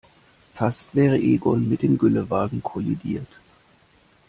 Fast wäre Egon mit dem Güllewagen kollidiert.